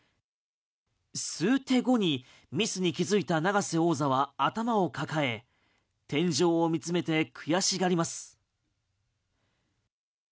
数手後にミスに気付いた永瀬王座は頭を抱え天井を見つめて悔しがります。